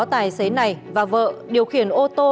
tài xế này và vợ điều khiển ô tô